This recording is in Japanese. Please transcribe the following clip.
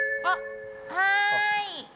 あっはい。